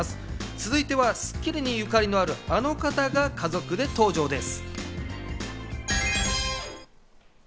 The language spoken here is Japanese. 続いては『スッキリ』にゆかりのあるあの方が家族で登場です。